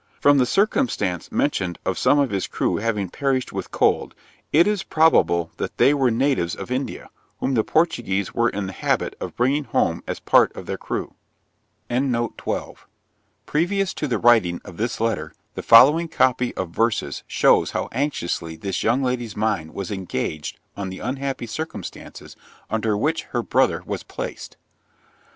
From the circumstance mentioned of some of his crew having perished with cold, it is probable that they were natives of India, whom the Portuguese were in the habit of bringing home as part of their crew. Previous to the writing of this letter, the following copy of verses shows how anxiously this young lady's mind was engaged on the unhappy circumstances under which her brother was placed.